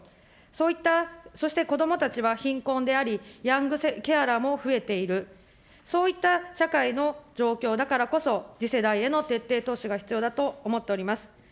そういった、そして子どもたちは貧困であり、ヤングケアラーも増えている、そういった社会の状況だからこそ、次世代への徹底投資が必要だと思っております。